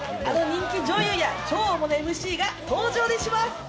あの人気女優や超大物ＭＣが登場します。